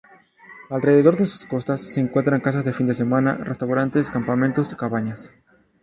Alrededor de sus costas se encuentran casas de fin de semana, restaurantes, campamentos, cabañas.